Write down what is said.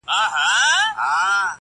نر دي بولم که ایمان دي ورته ټینګ سو؛